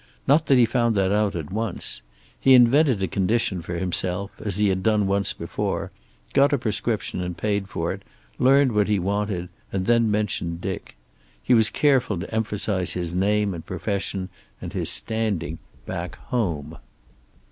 Not that he found that out at once. He invented a condition for himself, as he had done once before, got a prescription and paid for it, learned what he wanted, and then mentioned Dick. He was careful to emphasize his name and profession, and his standing "back home."